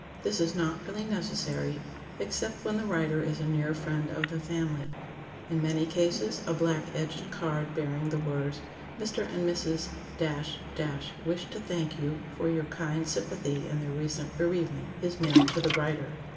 This is not really necessary, except when the writer is a near friend of the family. In many cases, a black edged card bearing the words, "Mr. and Mrs. —— wish to thank you for your kind sympathy in their recent bereavement," is mailed to the writer.